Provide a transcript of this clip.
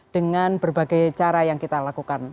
dengan berbagai cara yang kita lakukan